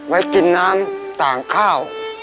ไว้กินน้ำต่างข้าว